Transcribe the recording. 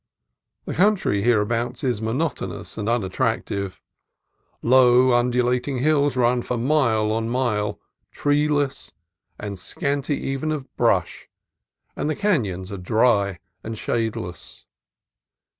The country hereabout is monotonous and unat tractive. Low undulating hills run for mile on mile, treeless, and scanty even of brush, and the canons are dry and shadeless.